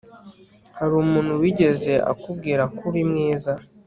Hari umuntu wigeze akubwira ko uri mwiza